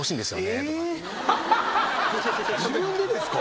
自分でですか？